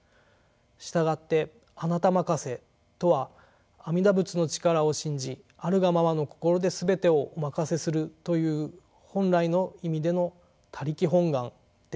したがって「あなた任せ」とは阿弥陀仏の力を信じあるがままの心で全てをお任せするという本来の意味での「他力本願」です。